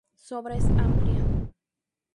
Su obra es amplia.